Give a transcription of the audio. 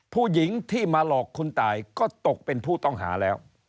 ผู้หญิงที่มาหลอกคุณตายก็ตกเป็นผู้ต้องหาแล้ว